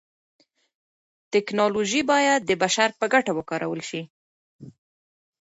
تکنالوژي بايد د بشر په ګټه وکارول سي.